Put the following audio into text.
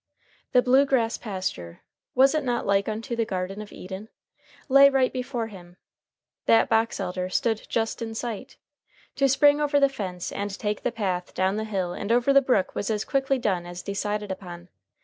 The blue grass pasture (was it not like unto the garden of Eden?) lay right before him. That box elder stood just in sight. To spring over the fence and take the path down the hill and over the brook was as quickly done as decided upon.